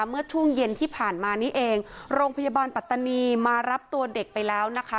เมื่อช่วงเย็นที่ผ่านมานี้เองโรงพยาบาลปัตตานีมารับตัวเด็กไปแล้วนะคะ